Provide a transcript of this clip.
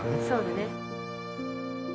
そうだね。